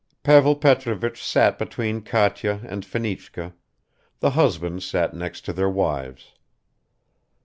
Pavel Petrovich sat between Katya and Fenichka; the husbands sat next to their wives.